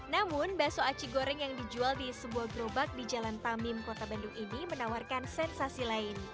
namun bakso aci goreng yang dijual di sebuah gerobak di jalan tamim kota bandung ini menawarkan sensasi lain